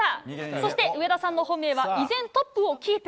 そして上田さんの本命は依然トップをキープ。